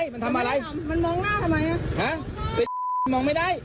ก็อยากให้ลูกไม่มามองดิ